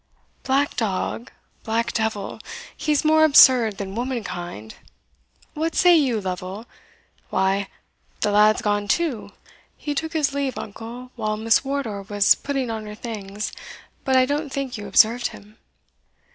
"Black dog! black devil! he's more absurd than womankind What say you, Lovel? Why, the lad's gone too." "He took his leave, uncle, while Miss Wardour was putting on her things; but I don't think you observed him."